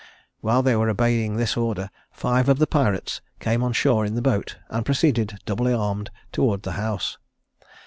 While they were obeying this order five of the pirates came on shore in the boat, and proceeded, doubly armed, towards the house.